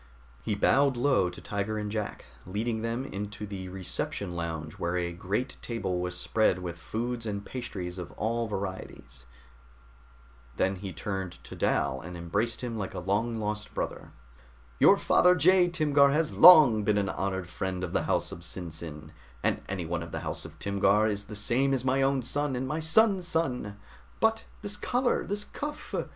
He bowed low to Tiger and Jack, leading them into the reception lounge where a great table was spread with foods and pastries of all varieties. Then he turned to Dal and embraced him like a long lost brother. "Your father Jai Timgar has long been an honored friend of the house of SinSin, and anyone of the house of Timgar is the same as my own son and my son's son! But this collar! This cuff!